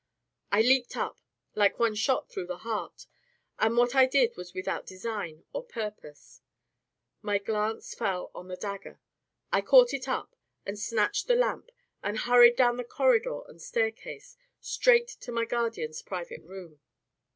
I leaped up, like one shot through the heart, and what I did was without design or purpose. My glance fell on the dagger; I caught it up, and snatched the lamp, and hurried down corridor and staircase, straight to my guardian's private room.